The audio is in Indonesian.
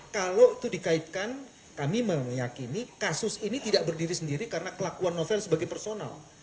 kalau itu dikaitkan kami meyakini kasus ini tidak berdiri sendiri karena kelakuan novel sebagai personal